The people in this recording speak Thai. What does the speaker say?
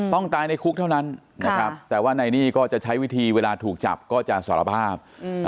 ตายในคุกเท่านั้นนะครับแต่ว่านายนี่ก็จะใช้วิธีเวลาถูกจับก็จะสารภาพ